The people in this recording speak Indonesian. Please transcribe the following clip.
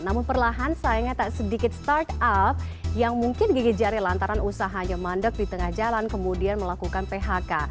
namun perlahan sayangnya tak sedikit startup yang mungkin gigi jari lantaran usahanya mandek di tengah jalan kemudian melakukan phk